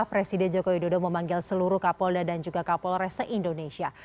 presiden jokowi dodo memanggil seluruh kapolda dan juga kapolores se indonesia